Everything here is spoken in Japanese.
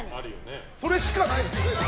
それしかないですよね。